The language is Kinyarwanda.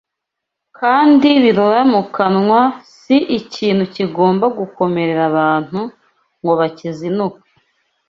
kandi birura mu kanwa si ikintu kigomba gukomerera abantu ngo bakizinukwe